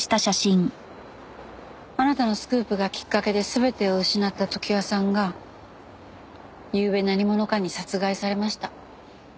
あなたのスクープがきっかけで全てを失った常盤さんがゆうべ何者かに殺害されました。